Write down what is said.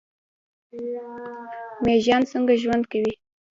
میږیان څنګه ژوند کوي؟